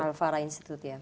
alfara institute ya